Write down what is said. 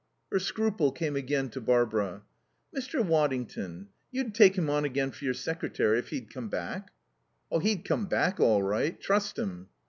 Her scruple came again to Barbara. "Mr. Waddington, you'd take him on again for your secretary if he'd come back?" "He'd come back all right. Trust him."